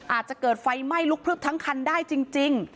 อาจจะเกิดไฟไหม้ลุกพลึบทั้งคันได้จริง